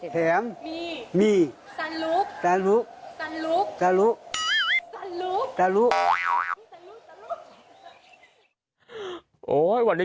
แถมมีสรุปอีกต่างหากแถมมีสรุปอีกต่างหาก